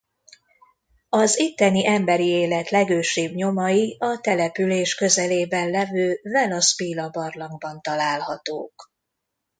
Az itteni emberi élet legősibb nyomai a település közelében levő Vela Spila-barlangban találhatók.